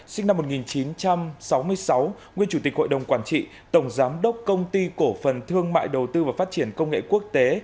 sinh năm một nghìn chín trăm sáu mươi sáu nguyên chủ tịch hội đồng quản trị tổng giám đốc công ty cổ phần thương mại đầu tư và phát triển công nghệ quốc tế